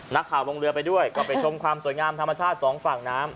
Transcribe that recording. นักข่าวลงเรือไปด้วยก็ไปชมความสวยงามธรรมชาติสองฝั่งน้ำ